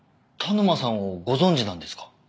田沼さんをご存じなんですか？